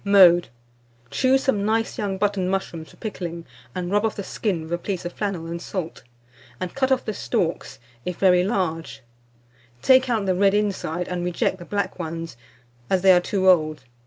Mode. Choose some nice young button mushrooms for pickling, and rub off the skin with a piece of flannel and salt, and cut off the stalks; if very large, take out the red inside, and reject the black ones, as they are too old.